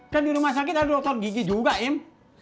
kan di rumah sakit ada dokter gigi juga im